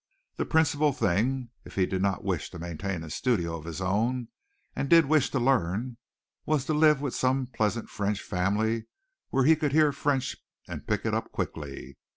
The principal thing, if he did not wish to maintain a studio of his own, and did wish to learn, was to live with some pleasant French family where he could hear French and pick it up quickly.